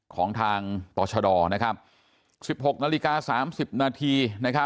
ของทางต่อชด๑๖นาฬิกา๓๐นาที